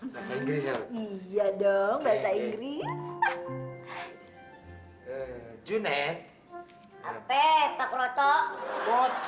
bahasa inggris iya dong bahasa inggris